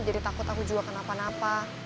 jadi takut aku juga kenapa napa